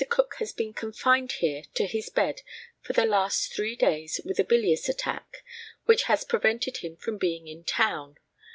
Cook has been confined here to his bed for the last three days with a bilious attack, which has prevented him from being in town.